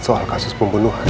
soal kasus pembunuhan